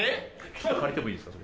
ちょっと借りてもいいですか？